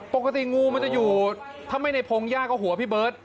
ปกติงูมันจะอยู่ถ้าไม่ในพงหญ้าก็หัวพี่เบิร์ต